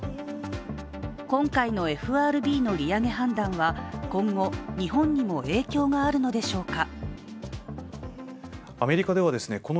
今回のＦＲＢの利上げ判断は今後、日本にも影響があるのでしょうか。